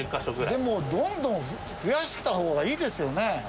でもどんどん増やした方がいいですよね。